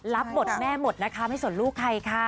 รับบทแม่หมดนะคะไม่สนลูกใครค่ะ